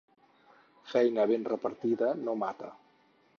Feina ben repartida no mata.